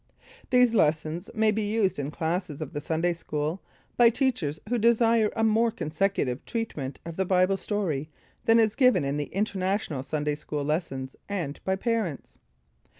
These lessons may be used in classes of the Sunday School, by teachers who desire a more consecutive treatment of the Bible story than is given in the International Sunday School lessons, and by parents.